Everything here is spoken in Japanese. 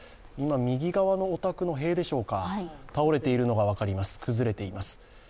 右側のお宅の塀でしょうか倒れているのが分かります、崩れています。